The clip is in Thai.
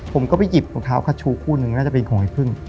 ผมก็ไปหยิบรองเท้าคัชชูคู่หนึ่งน่าจะเป็นของไอ้พึ่ง